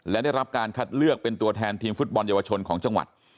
และได้รับการคัดเลือกเป็นตัวแทนทีมฟุตบอลเยาวชนของจังหวัด